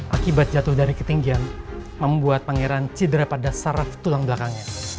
akibat jatuh dari ketinggian membuat pangeran cedera pada saraf tulang belakangnya